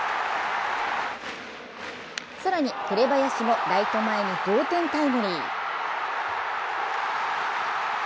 更に紅林もライト前に同点タイムリー。